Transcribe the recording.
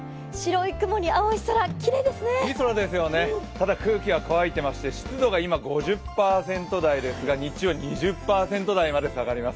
いい空ですね、ただ空気は乾いていまして、湿度が今５０％台ですが、日中は２０％台まで下がります。